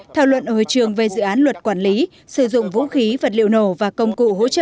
thảo luận ở trường về dự án luật quản lý sử dụng vũ khí vật liệu nổ và công cụ hỗ trợ